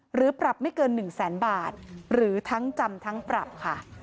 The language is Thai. หรือปรับไม่เกิน๑แสนบาทหรือทั้งจำทั้งปรับค่ะ